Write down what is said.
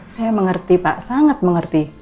saya mengerti pak sangat mengerti